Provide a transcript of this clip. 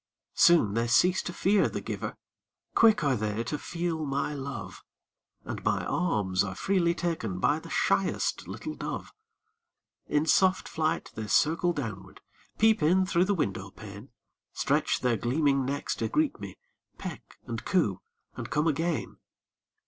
Soon they cease to fear the giver, Quick are they to feel my love, And my alms are freely taken By the shyest little dove. In soft flight, they circle downward, Peep in through the window pane; Stretch their gleaming necks to greet me, Peck and coo, and come again.